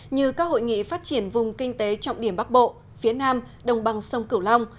như các hội nghị phát triển vùng kinh tế trọng điểm bắc bộ phía nam đồng bằng sông cửu long